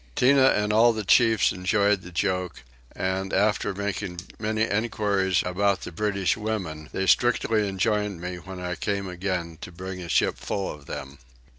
Tinah and all the chiefs enjoyed the joke and, after making many enquiries about the British women, they strictly enjoined me when I came again to bring a ship full of them.